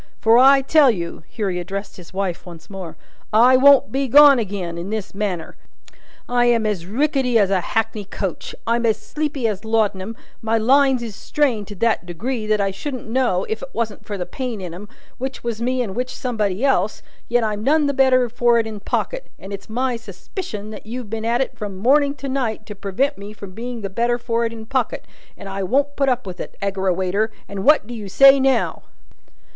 For, I tell you," here he addressed his wife once more, "I won't be gone agin, in this manner. I am as rickety as a hackney coach, I'm as sleepy as laudanum, my lines is strained to that degree that I shouldn't know, if it wasn't for the pain in 'em, which was me and which somebody else, yet I'm none the better for it in pocket; and it's my suspicion that you've been at it from morning to night to prevent me from being the better for it in pocket, and I won't put up with it, Aggerawayter, and what do you say now!"